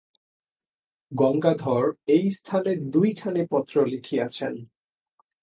গঙ্গাধর এই স্থানে দুইখানি পত্র লিখিয়াছেন।